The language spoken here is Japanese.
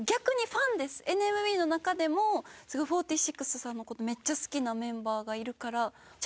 ＮＭＢの中でも４６さんのことめっちゃ好きなメンバーがいるから。